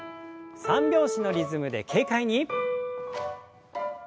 三拍子のリズムで軽快に。